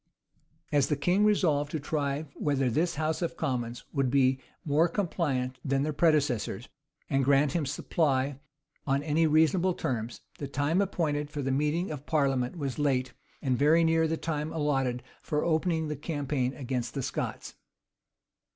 As the king resolved to try whether this house of commons would be more compliant than their predecessors, and grant him supply on any reasonable terms, the time appointed for the meeting of parliament was late, and very near the time allotted for opening the campaign against the Scots.